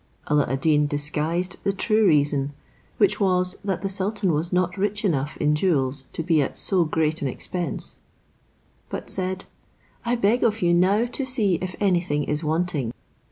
Alla ad Deen disguised the true reason, which was, that the sultan was not rich enough in jewels to be at so great an expense, but said, "I beg of you now to see if any thing is wanting."